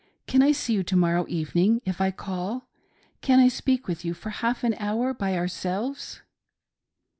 Can I see you, to morrow evening, if I call t Can I speak with you for half an hour by ourselves